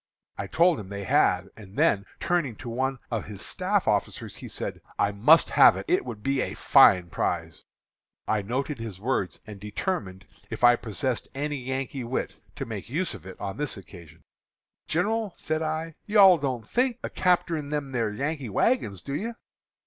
I told him they had; and then, turning to one of his staff officers, he said, 'I must have it; it would be a fine prize.' "I noted his words and determined, if I possessed any Yankee wit, to make use of it on this occasion. "'Gin'ral,' said I, 'you all don't think of capterin' them are Yankee wagons, do you?'